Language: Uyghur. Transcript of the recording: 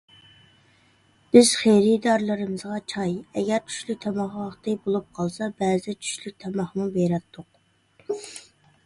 بىز خېرىدارلىرىمىزغا چاي، ئەگەر چۈشلۈك تاماق ۋاقتى بولۇپ قالسا، بەزىدە چۈشلۈك تاماقمۇ بېرەتتۇق.